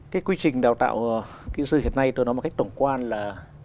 cái quy trình đào tạo kỹ sư hiện nay tôi nói một cách tổng quan là